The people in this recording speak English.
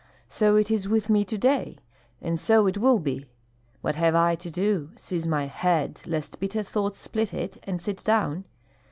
So it is with me to day, and so it will be. What have I to do? Seize my head, lest bitter thoughts split it, and sit down?